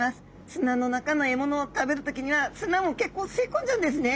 砂の中の獲物を食べる時には砂も結構吸い込んじゃうんですね。